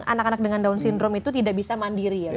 karena anak anak dengan down syndrome itu tidak bisa mandiri ya